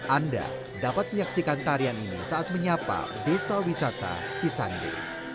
anda dapat menyaksikan tarian ini saat menyapa desa wisata cisande